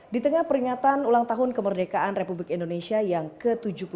di tengah peringatan ulang tahun kemerdekaan republik indonesia yang ke tujuh puluh dua